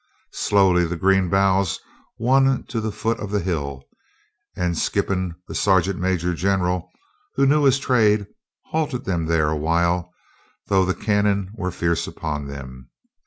Slowly the green boughs won to the foot of the hill, and Skippon, the sergeant major general, who knew his trade, halted them there a while, though the cannon were fierce upon them.